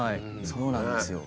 そうなんですよ。